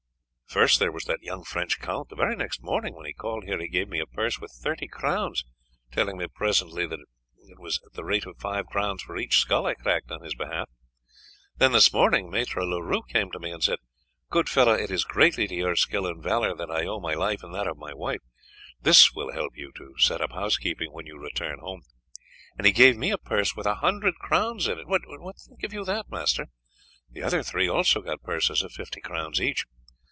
First there was that young French count, the very next morning when he called here he gave me a purse with thirty crowns, telling me pleasantly that it was at the rate of five crowns for each skull I cracked on his behalf. Then this morning Maître Leroux came to me and said, 'Good fellow, it is greatly to your skill and valour that I owe my life, and that of my wife; this will help you to set up housekeeping; when you return home,' and he gave me a purse with a hundred crowns in it; what think you of that, master? The other three also got purses of fifty crowns each.